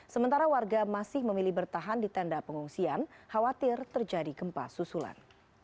sementara warga masih memilih bertahan di tenda pengungsian khawatir terjadi gempa susulan